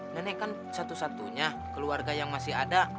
nenek kan satu satunya keluarga yang masih ada